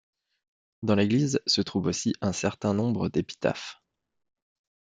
Dans l'église se trouvent aussi un certain nombre d'épitaphes.